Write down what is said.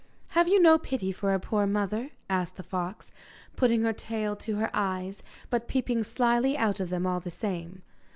'Have you no pity for a poor mother?' asked the fox, putting her tail to her eyes, but peeping slily out of them all the same.